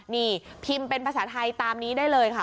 นี่พิมพ์เป็นภาษาไทยตามนี้ได้เลยค่ะ